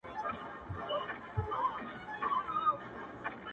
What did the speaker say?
قلندر پر کرامت باندي پښېمان سو!!